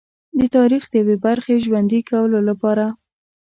د تاریخ د یوې برخې ژوندي کولو لپاره.